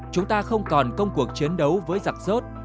chúng ta không còn công cuộc chiến đấu với giặc rốt